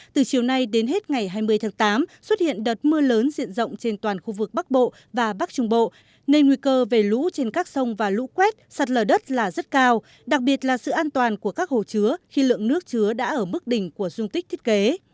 từ chiều nay đến hết ngày hai mươi tháng tám xuất hiện đợt mưa lớn diện rộng trên toàn khu vực bắc bộ và bắc trung bộ nên nguy cơ về lũ trên các sông và lũ quét sạt lở đất là rất cao đặc biệt là sự an toàn của các hồ chứa khi lượng nước chứa đã ở mức đỉnh của dung tích thiết kế